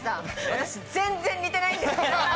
私全然似てないんですけど！